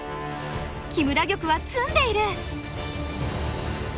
木村玉は詰んでいる。